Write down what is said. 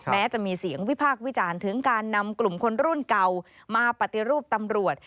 แม้จะมีเสียงวิพากษ์วิจารณ์ถึงการนำกลุ่มคนรุ่นเก่ามาปฏิรูปตำรวจ